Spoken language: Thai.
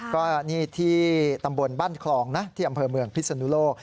ก็นี่ที่ตำบลบ้านคลองนะที่อำเภอเมืองพิศนุโลก